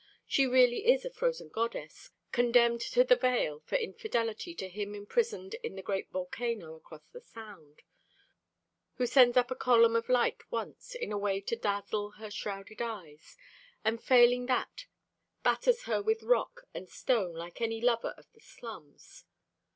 she really is a frozen goddess, condemned to the veil for infidelity to him imprisoned in the great volcano across the sound who sends up a column of light once in a way to dazzle her shrouded eyes, and failing that batters her with rock and stone like any lover of the slums.